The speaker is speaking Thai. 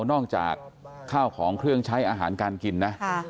นอกจากข้าวของเครื่องใช้อาหารการกินนะ